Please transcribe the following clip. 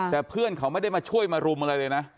แต่เพื่อนเขาไม่ได้มาช่วยมารุมอะไรเลยนะ